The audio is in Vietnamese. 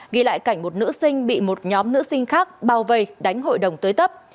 ghi lại cảnh một nữ sinh bị một nhóm nữ sinh khác bao vây đánh hội đồng tới tấp